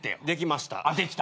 できました。